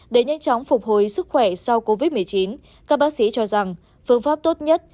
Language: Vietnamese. để nhanh chóng phục hồi sức khỏe sau covid một mươi chín các bác sĩ cho rằng phương pháp tốt nhất